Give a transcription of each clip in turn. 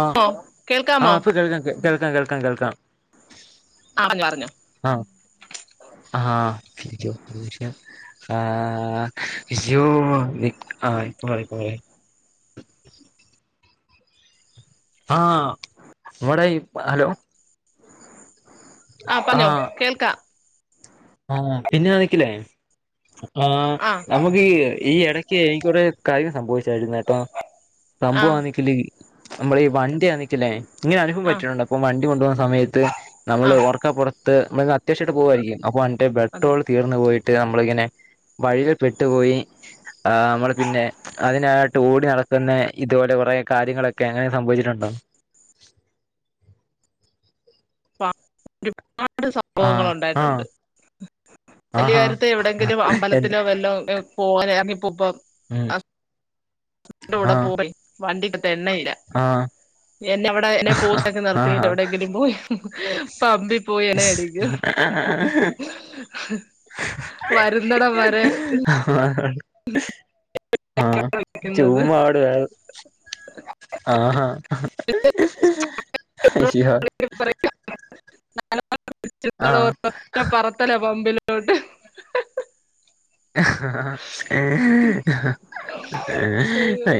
ആഹ് ഓ കേൾക്കാമോ ആഹ് ഇപ്പൊ കേൾക്കാ കേൾക്കാം കേൾക്കാം കേൾക്കാം ആഞ്ഞ പറഞ്ഞോ ആഹ് ആഹ് ആഹ് ശ്യോ ആഹ് ഇപ്പോപറയും ഇപ്പോപറയും ആഹ് ഇവ്ടായി ഹലോ ആഹ് പറഞ്ഞോ കേൾക്കാം ആഹ് പിന്നെ നനക്കില്ലേ ആ നമ്മുക് ഈ ഈ ഇടക്ക് എനിക്കിവിടെ കാര്യം സംഭവിച്ചായിരുന്നു ഏട്ടോ ആ സംഭവമാന്നങ്കില് നമ്മളീ വണ്ടിയാ നിക്കലേ ഇങ്ങനെ അനുഭവം ആ പറ്റിട്ടുണ്ട് അപ്പൊ വണ്ടി കൊണ്ടു പോകുന്ന സമയത്ത് ആ നമ്മള് ഒർ ക്ക പുറത്ത് അത്യാവശ്യം ആയിട്ട് പോവായിരിക്കും അപ്പൊ വണ്ടിന്റെ അതെ പെട്രോള് തീ ന്ന് പോയിട്ട് നമ്മളിങ്ങനെ വഴിയിൽ പെട്ടു പോയി ആഹ് നമ്മള് പിന്നെ അതിനായിട്ട് ഓടി നടക്കുന്ന ഇതു പോലെ കുറെ കാര്യങ്ങളൊക്കെ അങ്ങനെ സംഭവിച്ചിട്ടുണ്ടോ പാ ഒരുപാട് സംഭവങ്ങൾ ആഹ് ആഹ് ഉണ്ടായിട്ടുണ്ട് വലിയ ആഹാ കാര്യത്തെ എവിടെങ്കിലും എന്ത് അമ്പലത്തിലോ വല്ലോ പോവാൻ ഇറങ്ങിപ്പോ പ്പം ഉം ന്റെ കൂടെ ആഹ് പോയി വണ്ടിക്കകത്ത് എണ്ണയില്ല ആഹ് എന്നെ എവിടെ എന്നാ പോസ്റ്റാക്കി നിർത്തിട്ട് ആഹാ എവിടെങ്കിലും പോയി പമ്പിൽ പോയി എണ്ണ അടിക്കും വരുന്നിടം വരെ ആഹ് ആഹ് നിൽക്കുന്നത് [unintelligible] ആഹ് ഹാ അയ്യോ ആഹ് [inaudible] പറത്തല്ലേ പമ്പിലോട്ട് ഏഹ് [unintelligible] അയ്യോ.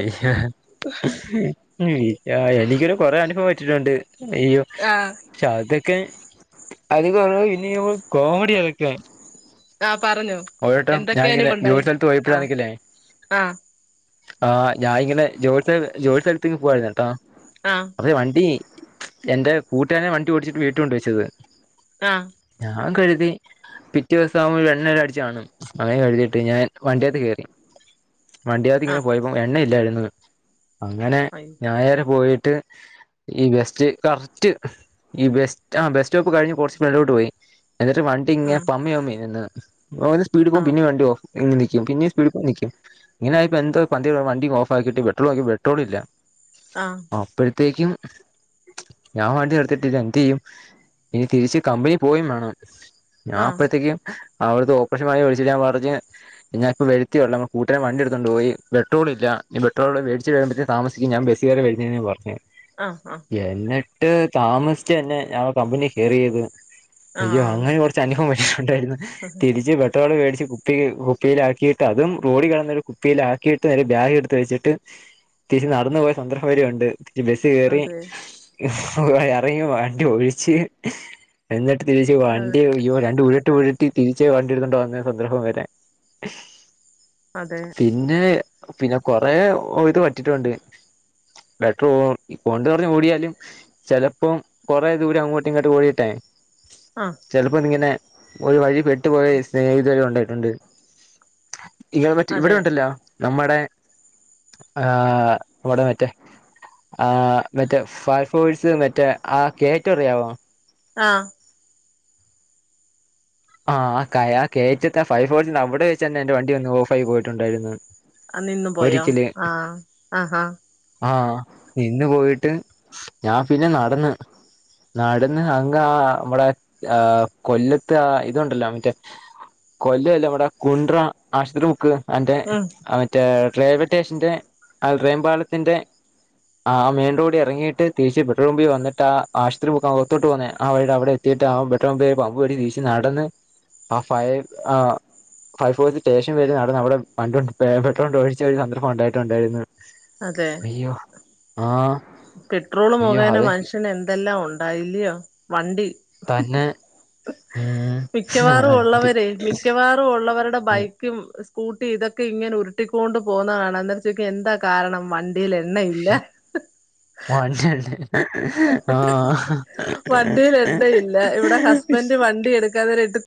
ആഹ് എനിക്കൊരു കൊറേ അനുഭവം പറ്റിട്ടുണ്ട് അയ്യോ ആഹ് ക്ഷെ അതൊക്കെ അത് പറഞ്ഞ ഇനീയും കോമഡി അതൊക്കെ ആഹ് പറഞ്ഞോ ഓരോട്ടം ഞാൻ എന്തൊക്കെ ഇങ്ങനെ അനുഭവം ജോലി ഉണ്ടായി സ്ഥലത്ത് ആ പോയപ്പോഴാ ആണ് എങ്കിലേ ആ ആഹ് ഞാനിങ്ങനെ ജോലി ജോലി സ്ഥലത്തേക്ക് പോയിരുന്നുട്ടോ ആഹ് തെ വണ്ടി എന്റെ കൂട്ടുക്കാരൻ വണ്ടി ഓടിച്ചിട്ട് വീട്ടു കൊണ്ട് വെച്ചത് ആഹ് ഞാൻ കരുതി പിറ്റേ ദിവസം ആവുമ്പോൾ എണ്ണ അടി ചാണ് അത് കഴിഞ്ഞിട്ട് ഞാൻ വണ്ടി ആയിട്ടു കയറി വണ്ടിയത് ങ്ങനെ ആഹ് പോയപ്പോ പോം എണ്ണയില്ലായിരുന്നു അങ്ങനെ അയ് ഞാൻ അതുവരെ പോയിട്ട് ഈ ബെസ്റ്റ് കറക്ട് ഈ ബസ്റ്റ് ആ ബസ്റ്റോപ്പ് കഴിഞ് കുറച്ച് മേലോട്ട് പോയി എന്നിട്ട് വ ണ്ടി ങ്ങെ ഉം പമ്മി പമ്മി നിന്ന് റോല് സ്പീഡ് പോകും ആഹ് പിന്നേവണ്ടി ഓഫ് ന്നി നിക്കു പിന്നെ വണ്ടി ഓഫ് നിക്കും പിന്നെ സ്പീഡ് പോവാ നിക്കും ഇങ്ങനെ ഇപ്പോ എന്തോ പന്തികേട് വണ്ടി ഓഫാക്കിട്ട് പെട്രോള് നോക്കിയപ്പോ പെട്രോൾ ഇല്ല ആഹ് അപ്പഴത്തേക്കും ഞാൻ വണ്ടി നിർത്തിയിട്ടു എന്ത്യ്യും ഇനി തിരിച്ച് കമ്പനി പോവേം വേണം ഞാൻ ആഹ് അപ്പഴത്തേക്കും അവിടുത്തെ ഓപ്പറേഷൻ വാർഡിൽ വിളിച്ചു ഞാൻ പറഞ്ഞ് ഞാൻ ഇപ്പോ വരത്തെ ഉള്ളൂ കൂട്ടുക്കാരൻ വണ്ടി എടുത്തുണ്ട് പോയി പെട്രോൾ ഇല്ല ഇനി ഇപ്പൊ പെട്രോൾ മേടിച്ച് വരമ്പോഴത്തേ താമസി ങ്കി ഞാൻ ബസ്സ് കയറി വരുന്നെന്നു പറഞ്ഞ ആഹ് ആഹ് എന്നട്ട് താമസിച്ച് തന്നെ ഞൻ കമ്പനി കയറിയത് അയ്യോ ആഹ് അങ്ങനെ കുർ ച്ചനുഭവം ക്ഷേ ഉണ്ടായിരുന്നു ആഹ് തിരി പെട്രോൾ വേടിച്ച് കുപ്പി കുപ്പിയിലാക്കിയിട്ട് അതും റോഡിൽ കിടന്ന കിപ്പിയിൽ ആക്കിയിട്ട് നേരെ ബാഗ് എടുത്ത് വെച്ചിട്ട് തിരിനടന്നു പോയ സന്ദർഭം വരെ ഉണ്ട് ബസ്സ് കയറി അതെ ഇറങ്ങി വണ്ടി ഒഴിച്ച് എന്നിട്ട് തിരിച്ച് ആഹ് വണ്ടിഓടിക്കുമ്പോ രണ്ടു ഉരുട്ട് ഉരുട്ടി തിരിച്ച് വ വരുന്നുണ്ട് സന്ദർഭം വരെ അതെ പിന്നെ പിന്നെ കൊറേ ഒഴിത് പറ്റിട്ടുണ്ട്. പെട്രോളോ കൊണ്ട് നടന്ന് ഓടിയാലും ചെലപ്പം കൊറെ ദൂരം അങ്ങോട്ടും ഇങ്ങോട്ട് ഓടിയിട്ടേ ആഹ് ചിലപ്പോ ഇതിങ്ങനെ ഒരു വഴി പെട്ടുപോയി ഇത് വരെ ഉണ്ടായിട്ടുണ്ട്. ഈ എൽമെറ്റ് ഇവടെ അതെ ഒണ്ടല്ലോ? നമ്മടെ ആഹ് വടെ മറ്റേ ആഹ് മറ്റേ ഫയർ ഫോഴ്സ് മറ്റേ ആ കേറ്റൊ അറിയാമോ? ആഹ് ആഹ് ആ കയ കേറ്റത്തെ ഫയർ ഫോഴ്സിന്റെ അവടെ വെച്ച് തന്നെ എന്റെ വണ്ടി ഒന്ന് ഓഫായി പോയിട്ടുണ്ടായിരുന്നു. ആഹ് നിന്ന് പോയോ? ആഹ് ആഹ് ആഹ് ആഹ് നിന്ന് പോയിട്ട് ഞാൻ പിന്നെ നടന്ന്. നടന്ന് അങ് ആ മ്മടെ ആ കൊല്ലത്ത് ആ ഇ തുണ്ടല്ലോ മറ്റേ? കൊല്ലല്ലകൂടെ കുണ്ട്ര ആശ്ത്രി മുക്ക് അന്റെ ഉം മ റ്റേ ട്രെബിറ്റേഷന്റെ ആ ട്രെയിം പാലത്തിന്റെ ആ മെയിൻ റോഡി എറങ്ങിട്ട് തിരിച്ച് പെട്രോൾ പമ്പി വന്നിട്ട് ആ ആശുത്രിമുക്ക് അകത്തോട്ടു പോവാന്നെ ആ വഴിടെ അവടെ എത്തിട്ടാകും ആ പെട്രോൾ പമ്പ് വരെ വീശി നടന്ന് ആഹ് ഫയെ ആഹ് ഫയർ ഫോഴ്സ് സ്റ്റേഷൻ വരെ നടന്ന് അവടെ പണ്ടണ്ട് പെട്രോണ്ട് ഒഴിച്ച ഒരു സന്ദർഭം ഒണ്ടായിട്ടുണ്ട്. അതെ പെട്രോള് അയ്യോ മുഖേന അതെ മനുഷ്യന് എന്തെല്ലാം ഉണ്ട്. ഇല്ല്യ വണ്ടി തന്നെ ഉം മിക്കവാറും വണ്ടി ഒള്ളവര് മിക്കവാറും ഒള്ളവരുടെ ബൈക്കും സ്കൂട്ടി ഇതൊക്കെ ഇങ്ങനെ ഉരുട്ടിക്കൊണ്ട് പോകുന്നത് കാണാ ന്താച്ചൊക്യാ എന്താ കാരണം വണ്ടി ണ്ടീലെണ്ണയില്ല. മഞ്ഞണ്ട് ആഹ് വണ്ടീലെണ്ണയില്ല. ഇവിടെ ഹസ്ബന്ഡ് വണ്ടി എടുക്കാതരെ ഇട്ട്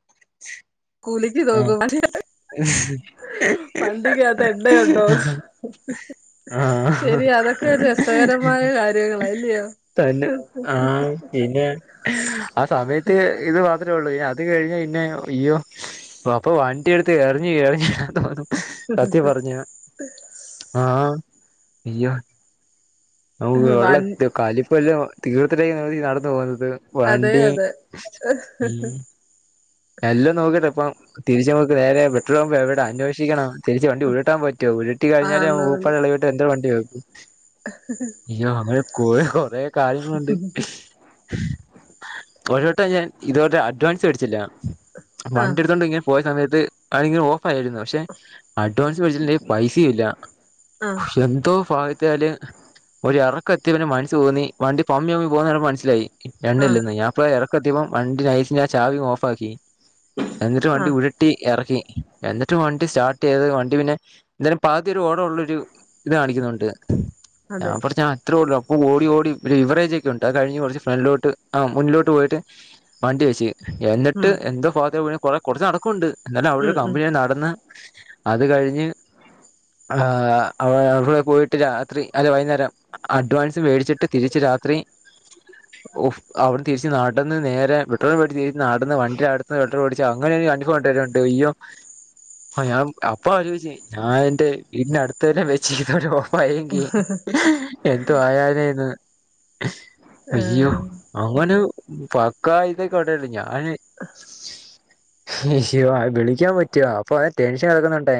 കൂലിക്ക് ആഹ് നോക്കും വണ്ടിക്കകത്ത് എണ്ണയുണ്ടോന്ന് ആഹ് ശരി അതൊക്കെ ഒരു രസകരമായ കാര്യങ്ങളാ അല്ലയോ തന്നെ ആഹ് പിന്നെ ആ സമയത്ത് ഇത് മാത്രമേ ഒള്ളൂ അത് കഴിഞ്ഞ പിന്നെ അയ്യോ അപ്പൊ വണ്ടി എടുത്ത് എറിഞ് എറിഞ്ഞു തോന്നും സത്യം പറഞ്ഞ ആഹ് അയ്യോ നമുക്ക് വെള്ള വൺ കാലിപ്പല്ലാം തീർത്തിട്ടായിരിക്കും നടന്നു പോകുന്നത് അതെ വണ്ടി അതെ ഉം എല്ലും നോക്കിട്ടെപ്പം തിരിച്ചു നമുക്ക് നേരെ പെട്രോൾ പമ്പ് എവിടെ അന്വേഷിക്കണം തിരിച്ച് വണ്ടി ഉരുട്ടാൻ പറ്റോ? ഉരുട്ടി കഴിഞ്ഞാല് ആന്ന് ആന്ന് ഊപ്പാടെളകിയിട്ട് എന്താ വണ്ടി വും അയ്യോ അങ്ങനെ കൊറെ കാര്യങ്ങളുണ്ട്. ഒരു വട്ടം ഞാൻ ഇതോണ്ട് അഡ്വാൻസ് വേടിച്ചില്ല. ആഹ് വണ്ടി എടുത്തോണ്ട് ഇങ്ങനെ പോയ സമയത്ത് ആരെങ്കിലും ഓഫ് ആയിരുന്നോ? പക്ഷെ അഡ്വാൻസ് ചോയ്ച്ചില്ലെങ്കിൽ പൈസയും ഇല്ല ആഹ് എന്തോ ഭാഗ്യത്തില് ഒരു എറക്ക എത്തിയപ്പൊ പിന്നെ മനസ്സ് തോന്നി വണ്ടി പമ്മി മ്മി പോകുന്ന കണ്ടപ്പൊ മനസ്സിലായി ആഹ് എണ്ണിയില്ലെന്ന് ഞാൻ ഇപ്പ ഇറക്കത്തിയപ്പൊ വണ്ടി നൈസിന് ഞാൻ ചാവി ഓഫാക്കി എന്നിട്ട് വണ്ടി ആഹ് ഉരു ട്ടി എറക്കി എന്നിട്ട് വണ്ടി സ്റ്റാർട്ട് ചെയ്ത് വണ്ടി പിന്നെ എന്തായാലും പകുതിവരെ ഓട ഒള്ളൊരു ഇത് കാണിക്കുന്നുണ്ട് അതെ ഞാൻ പടച്ച ഇത്രൊ ഒള്ളൂ അപ്പ ഓടി ഓടി ഓടി ഓടി ഒരു ബിവറേജ് ഒക്കെ ഉണ്ട് അത് കഴിഞ്ഞ് കൊറച്ച് ഫ്രൺലോട്ട് ആ മുന്നിലോട്ട് പോയിട്ട് വണ്ടി വെച്ച് എന്നിട്ട് ഉം എന്തോ ഫാഗത്തിനു വീണ് കൊറേ കൊറച്ച് നടക്കൊണ്ട് ന്നാലും അവടെ ഉം ഒരു ഉം കമ്പനി വരെ നടന്ന് അത് കഴിഞ്ഞ് ആഹ് ആ അവ അവിടെ പോയിട്ട് രാത്രി അല്ല വൈന്നേരം അഡ്വാൻസും മേടിച്ചിട്ട് തിരിച്ച് രാത്രി ഉഫ് അവടെ തിരിച്ച് നാട്ടന്ന് നേരെ പെട്രോൾ വേടിച്ച് തിരിച്ച് നടന്ന് വണ്ടി അടുത്ത പെട്രോളടിച്ച അങ്ങനെ അനുഭവണ്ടയ്യോ ആ ഞാൻ അപ്പൊ ആലോചിച്ച് ഞാൻ എന്റെ വീടിന്റെ അടുത്തന്നെ വെചീരുന്നു പോ ഓഫായെങ്കി എന്തു ആയാനേന്ന് അയ്യോ ഏഹ് അവന് പക്കായതക്ക ഒണ്ടായിരുന്ന്‌ ഞാന് അയ്യോ വിളിക്കാൻ പറ്റുവോ അപ്പൊ ആകെ ടെൻഷൻ ആകുന്നോണ്ടെ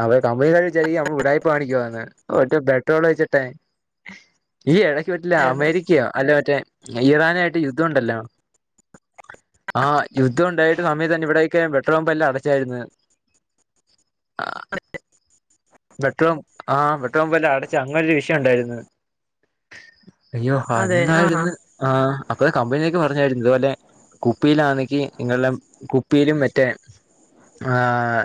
അവ കമ്പനിക്കാര് വിചാരിക്കും നമ്മള് ഉടായിപ്പ് കാണിക്കുവാന്ന് ഒറ്റ പെട്രോൾ ഒഴിച്ചിട്ടെ ഈ ഇടക്ക് മറ്റില്ല അതെ അമേരിക്കയോ അല്ലെ മറ്റേ ഇറാനായിട്ട് യുദ്ധണ്ടല്ലൊ ആഹ് യുദ്ധം ഉണ്ടായിട്ട് സമയം തന്നെ ഇവിടൊക്ക പെട്രോൾ പമ്പ് എല്ലാം അടച്ചായിരുന്ന്‌ ആഹ് പെട്രോ ആഹ് പെട്രോപമ്പെല്ലാം അടച്ച് അങ്ങനൊരു വിഷയംണ്ടായിരുന്നു അയ്യോ അതെ ആഹാ അന്നായിരുന്നു ആഹ് അപ്പൊ കമ്പനിയൊക്കെ പറഞ്ഞായിരുന്നു ഇതുപോലെ കുപ്പിയിലാണെങ്കി നിങ്ങളുടെ കുപ്പിയിലും മറ്റേ ആഹ്